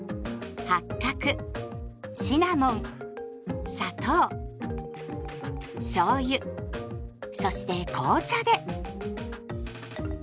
八角シナモン砂糖しょうゆそして紅茶で。